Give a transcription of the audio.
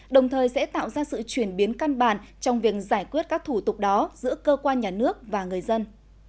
đồng thời sẽ tạo ra sự chuyển biến căn bản trong việc giải quyết các thủ tục đó giữa cơ quan nhà nước và người dân